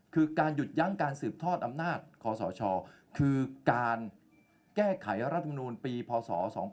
คือการหยุดยั้งการสืบทอดอำนาจคอสชคือการแก้ไขรัฐมนูลปีพศ๒๕๖๒